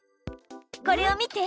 これを見て！